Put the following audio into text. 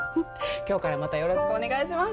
今日からまたよろしくお願いします